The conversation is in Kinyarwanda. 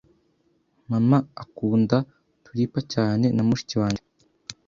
Mama akunda tulipa cyane na mushiki wanjye.